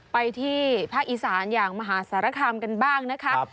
ไปที่ภาคอีสานอย่างมหาสารคามกันบ้างนะคะ